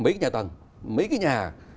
mấy cái nhà tầng mấy cái nhà